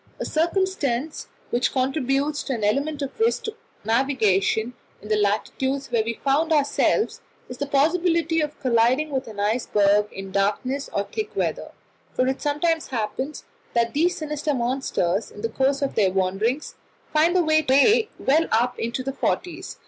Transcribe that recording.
A circumstance which contributes an element of risk to navigation in the latitudes where we found ourselves is the possibility of colliding with an iceberg in darkness or thick weather; for it sometimes happens that these sinister monsters in the course of their wanderings find their way well up into the "forties."